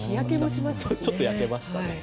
ちょっと焼けましたね。